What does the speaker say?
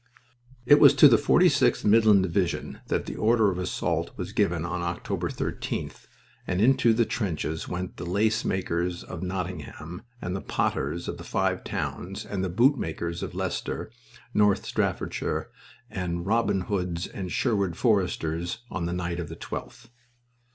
It was to the 46th Midland Division that the order of assault was given on October 13th, and into the trenches went the lace makers of Nottingham, and the potters of the Five Towns, and the boot makers of Leicester, North Staffordshires, and Robin Hoods and Sherwood Foresters, on the night of the 12th.